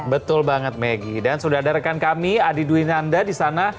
betul banget maggie dan sudah ada rekan kami adi dwi nanda di sana